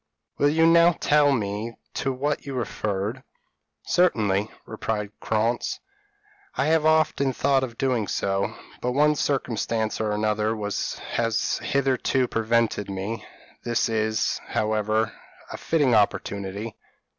Will you now tell me to what you referred?" "Certainly," replied Krantz; "I've often thought of doing so, but one circumstance or another has hitherto prevented me; this is, however, a fitting opportunity.